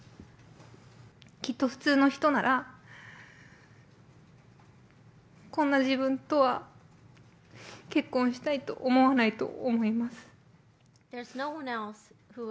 きっと普通の人なら、こんな自分とは結婚したいとは思わないと思います。